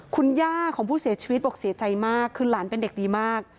คุณย่าของผู้เสียชีวิตบอกเสียใจมากคือหลานเป็นเด็กดีมาก